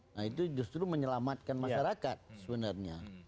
nah itu justru menyelamatkan masyarakat sebenarnya